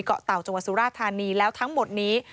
เกาะเตาะจังหวัดสุราษฎร์ธานีแล้วทั้งหมดนี้